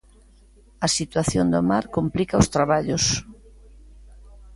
A situación do mar complica os traballos.